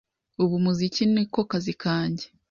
Ubu umuziki ni ko kazi kange